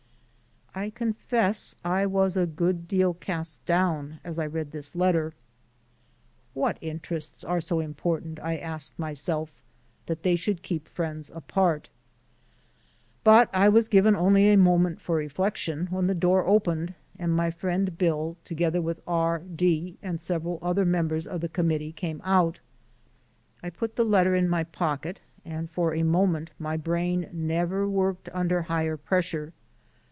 I confess I was a good deal cast down as I read this letter. "What interests are so important?" I asked myself, "that they should keep friends apart?" But I was given only a moment for reflection for the door opened and my friend Bill, together with R D and several other members of the committee, came out. I put the letter in my pocket, and for a moment my brain never worked under higher pressure.